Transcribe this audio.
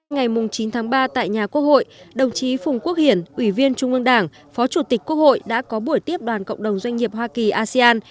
ngày chín tháng ba tại nhà quốc hội đồng chí phùng quốc hiển ủy viên trung ương đảng phó chủ tịch quốc hội đã có buổi tiếp đoàn cộng đồng doanh nghiệp hoa kỳ asean